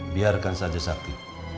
biarkan saja sakti